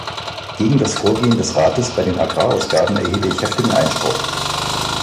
Gegen das Vorgehen des Rates bei den Agrarausgaben erhebe ich heftigen Einspruch.